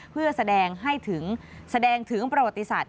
เพื่อแสดงแน่นถึงประวัติศาสตร์